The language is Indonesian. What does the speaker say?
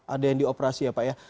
ada yang dioperasi ya pak ya